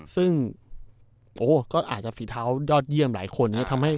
ซึ่งโอ้โหก็อาจจะฝีเท้ายอดเยี่ยมหลายคนนะครับ